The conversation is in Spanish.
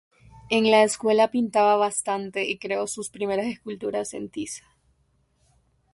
En la escuela pintaba bastante y creó sus primeras esculturas en tiza.